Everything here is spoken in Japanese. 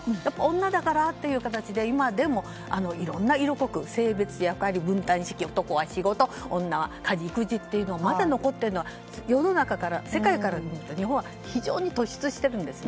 女だからという形で今でも役割分担男は仕事女は家事・育児というのがまだ残っているのは世の中から世界から見ると日本は非常に突出しているんです。